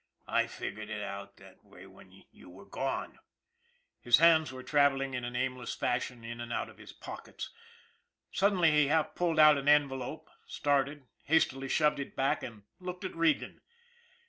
" I figured it out that way when you were gone." His hands were travel ing in an aimless fashion in and out of his pockets. Suddenly he half pulled out an envelope, started, has tily shoved it back, and looked at Regan.